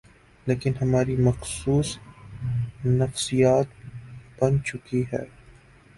لیکن ہماری مخصوص نفسیات بن چکی ہے۔